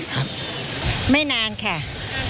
การจัดการเป็นยังไงบ้าง